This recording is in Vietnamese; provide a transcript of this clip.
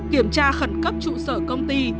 kiểm tra khẩn cấp trụ sở công ty